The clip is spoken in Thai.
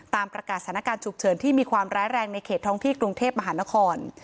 ประกาศสถานการณ์ฉุกเฉินที่มีความร้ายแรงในเขตท้องที่กรุงเทพมหานคร